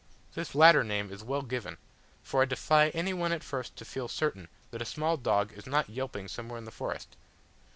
This latter name is well given; for I defy any one at first to feel certain that a small dog is not yelping somewhere in the forest.